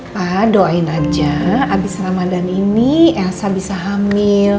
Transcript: pak doain aja abis ramadhan ini elsa bisa hamil